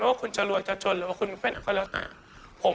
คุณจะรวยหรือจะจนหรือคุณเป็นอย่างออกไปแล้ว